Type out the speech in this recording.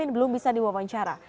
belum bisa diwawancara